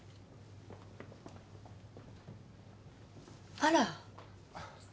あら。